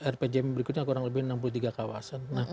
rpjm berikutnya kurang lebih enam puluh tiga kawasan